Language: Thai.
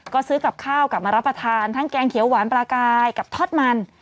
ก็ซื้อกับข้าวกลับมารับประทานทั้งแกงเขียวหวานปลากายกับทอดมัน